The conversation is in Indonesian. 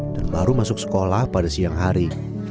dan baru masuk sekolah pada siang hari